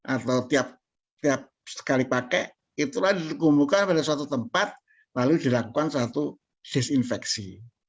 atau tiap sekali pakai itulah dikumpulkan pada suatu tempat lalu dilakukan satu disinfeksi